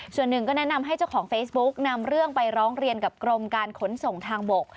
ส่วนหนึ่งก็แนะนำให้เจ้าของเฟซบุ๊กนำเรื่องไปร้องเรียนกับกรมการขนส่งทางบก